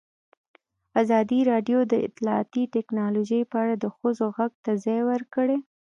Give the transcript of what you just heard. ازادي راډیو د اطلاعاتی تکنالوژي په اړه د ښځو غږ ته ځای ورکړی.